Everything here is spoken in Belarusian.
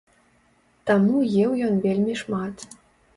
Таму еў ён вельмі шмат.